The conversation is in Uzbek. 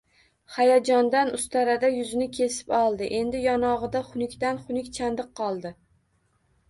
Hayajondan ustarada yuzini kesib oldi, endi yonog`ida xunukdan-xunuk chandiq qoldi